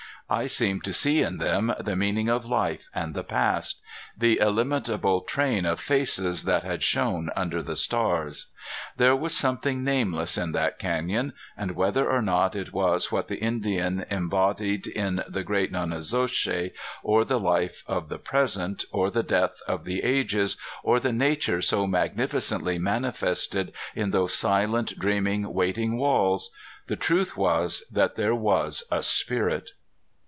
I seemed to see in them the meaning of life and the past the illimitable train of faces that had shone under the stars. There was something nameless in that canyon, and whether or not it was what the Indian embodied in the great Nonnezoshe, or the life of the present, or the death of the ages, or the nature so magnificently manifested in those silent, dreaming, waiting walls the truth was that there was a spirit.